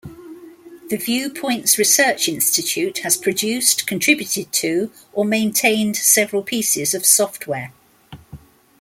The Viewpoints Research Institute has produced, contributed to, or maintained several pieces of software.